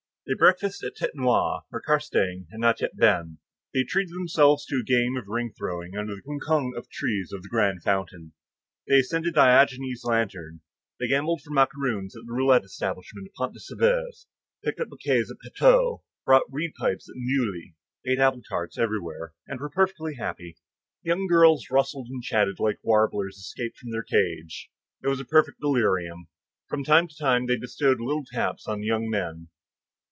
They breakfasted at the Tête Noir, where Castaing had not yet been; they treated themselves to a game of ring throwing under the quincunx of trees of the grand fountain; they ascended Diogenes' lantern, they gambled for macaroons at the roulette establishment of the Pont de Sèvres, picked bouquets at Pateaux, bought reed pipes at Neuilly, ate apple tarts everywhere, and were perfectly happy. The young girls rustled and chatted like warblers escaped from their cage. It was a perfect delirium. From time to time they bestowed little taps on the young men.